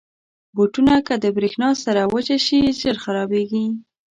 بوټونه که د برېښنا سره وچه شي، ژر خرابېږي.